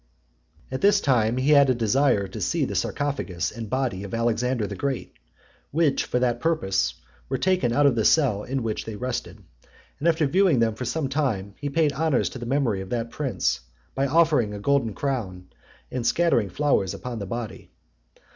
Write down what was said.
At this time he had a desire to see the sarcophagus and body of Alexander the Great, which, for that purpose, were taken out of the cell in which they rested ; and after viewing them for some time, he paid honours to the memory of that prince, by offering a golden crown, and scattering flowers upon the body .